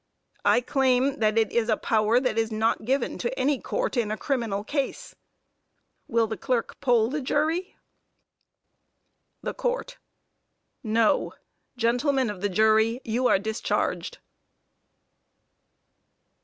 I claim that it is a power that is not given to any Court in a criminal case. Will the Clerk poll the jury? THE COURT: No. Gentlemen of the jury, you are discharged.